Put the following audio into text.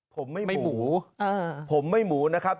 ผมไม่หมูผมไม่หมูนะครับ